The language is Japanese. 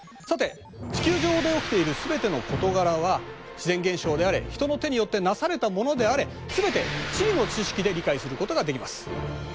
さて地球上で起きているすべての事柄は自然現象であれ人の手によってなされたものであれすべて地理の知識で理解することができます。